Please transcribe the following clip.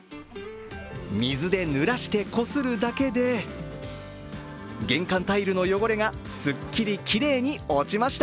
水でぬらしてこするだけで玄関タイルの汚れがすっきり、きれいに落ちました。